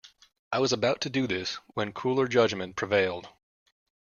I was about to do this when cooler judgment prevailed.